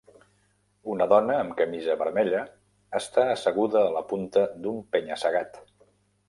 Una dona amb camisa vermella està asseguda a la punta d'un penya-segat